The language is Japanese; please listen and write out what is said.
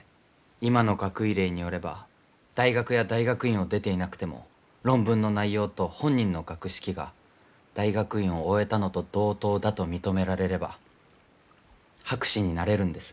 今の学位令によれば大学や大学院を出ていなくても論文の内容と本人の学識が大学院を終えたのと同等だと認められれば博士になれるんです。